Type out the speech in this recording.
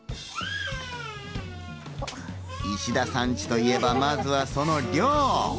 石田さんチといえばまずはその量。